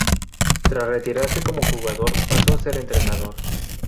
Tras retirarse como jugador, pasó a ser entrenador.